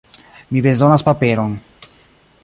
Mi bezonas paperon